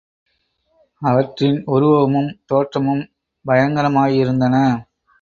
அவற்றின் உருவமும் தோற்றமும் பயங்கரமாயிருந்தன.